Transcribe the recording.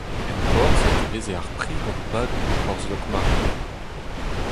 Enporzhiet e veze ar pri gant bagoù e porzh Lokmaria.